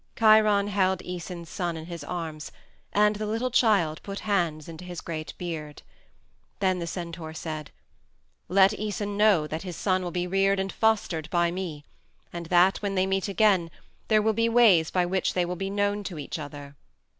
Chiron held Æson's son in his arms, and the little child put hands into his great beard. Then the centaur said, "Let Æson know that his son will be reared and fostered by me, and that, when they meet again, there will be ways by which they will be known to each other."